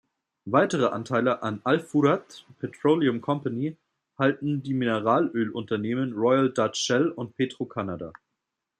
Weitere Anteile an "al-Furat Petroleum Company" halten die Mineralölunternehmen Royal Dutch Shell und Petro-Canada.